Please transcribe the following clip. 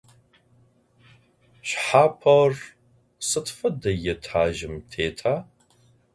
Şşxap'er sıd fede etajjım têta?